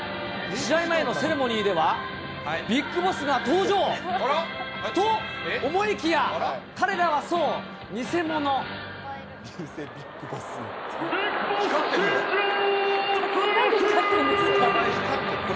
試合前のセレモニーでは、ビッグボスが登場！と思いきや、彼らはそう、ビッグボス！